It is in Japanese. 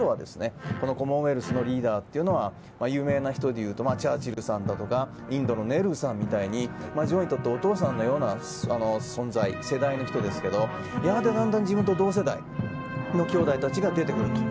最初のころはコモンウェルスのリーダーは有名な人でいうとチャーチルさんやインドのネルーさんみたいに女王にとってお父さんみたいな世代の人ですがだんだんと自分と同世代のきょうだいたちが出てくると。